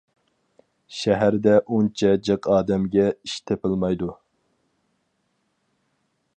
شەھەردە ئۇنچە جىق ئادەمگە ئىش تېپىلمايدۇ.